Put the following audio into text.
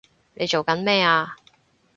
你做緊咩啊！